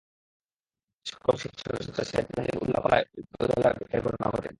আজ শুক্রবার সকাল সাড়ে সাতটায় সিরাজগঞ্জের উল্লাপাড়া উপজেলায় এ ঘটনা ঘটে।